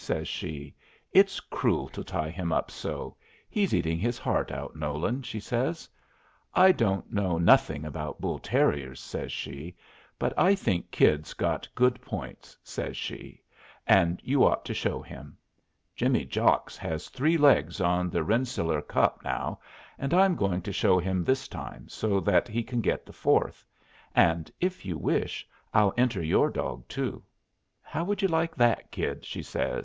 says she. "It's cruel to tie him up so; he's eating his heart out, Nolan," she says. "I don't know nothing about bull terriers," says she, "but I think Kid's got good points," says she, "and you ought to show him. Jimmy Jocks has three legs on the Rensselaer Cup now, and I'm going to show him this time, so that he can get the fourth; and, if you wish, I'll enter your dog too. How would you like that, Kid?" says she.